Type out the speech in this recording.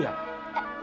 iya tuh pak